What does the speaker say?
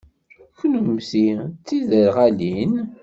Kennemti d tiderɣalin?